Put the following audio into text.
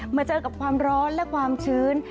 มาเจอกับความร้อนและความชื้น